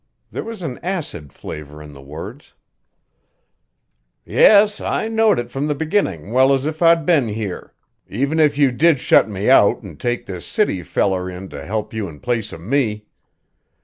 There was an acid flavor in the words. "Yes, I knowed it from the beginnin' well as if I'd been here, even if you did shut me out an' take this city feller in to help you in place of me.